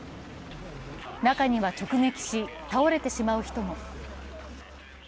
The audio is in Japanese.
中には直撃し、倒れてしまう人も。